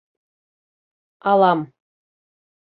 Алам!